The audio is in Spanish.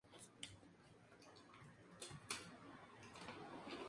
Su ruptura tuvo un profundo efecto en la obra del poeta.